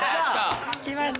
きました。